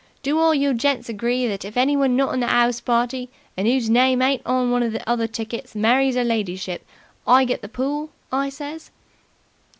Do all you gents agree that if anyone not in the 'ouse party and 'oo's name ain't on one of the other tickets marries 'er lidyship, I get the pool?' I says.